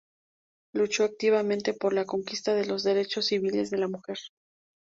Luchó activamente por la conquista de los derechos civiles de la mujer.